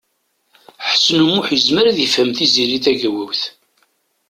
Ḥsen U Muḥ yezmer ad yefhem Tiziri Tagawawt.